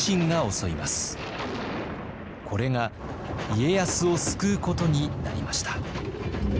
これが家康を救うことになりました。